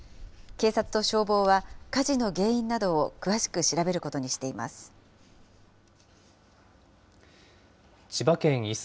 警察と消防は、火事の原因などを詳しく調べることにしています。